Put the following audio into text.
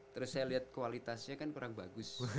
terus saya lihat kualitasnya kan kurang bagus